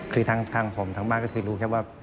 คือทั้งผมทั้งบ้านรู้แค่ว่า